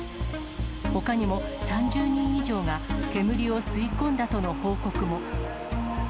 ほかにも、３０人以上が煙を吸い込んだとの報告も。